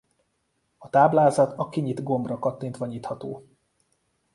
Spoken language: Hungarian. A táblázat a kinyit gombra kattintva nyitható.